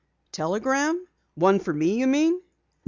"Telegram? One for me, you mean?"